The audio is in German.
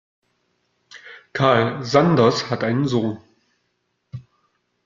Karl Sanders hat einen Sohn.